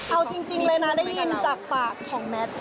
เอาจริงเลยนะได้ยินจากปากของแมท